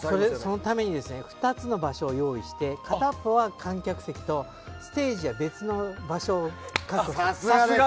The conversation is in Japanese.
そのために２つの場所を用意して片方は観客席とステージは別の場所を確保してあるんです。